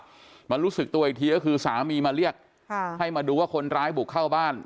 มารู้สึกตัวอีกทีก็คือสามีมาเรียกค่ะให้มาดูว่าคนร้ายบุกเข้าบ้าน